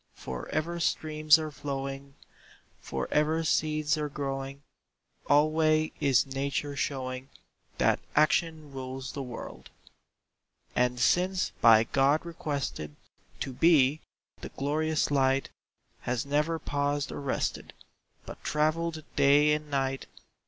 For ever streams are flowing, For ever seeds are growing, Alway is Nature showing That Action rules the world. And since by God requested To be, the glorious light Has never paused or rested, But travelled day and night.